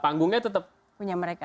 panggungnya tetap punya mereka